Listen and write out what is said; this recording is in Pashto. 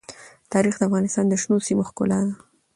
تاریخ د افغانستان د شنو سیمو ښکلا ده.